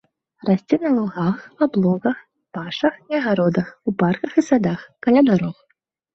Расце на лугах, аблогах, пашах і агародах, у парках і садах, каля дарог.